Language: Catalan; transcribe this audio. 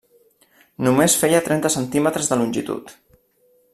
Només feia trenta centímetres de longitud.